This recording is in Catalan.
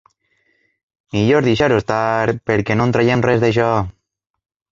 Millor deixar-ho estar perquè no en traiem res, d'això.